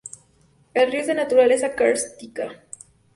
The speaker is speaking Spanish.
El río es de naturaleza kárstica.